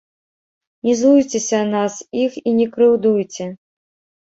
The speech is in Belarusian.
Не злуйцеся нас іх і не крыўдуйце.